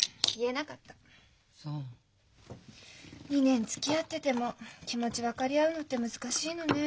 ２年つきあってても気持ち分かり合うのって難しいのね。